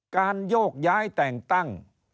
โยกย้ายแต่งตั้ง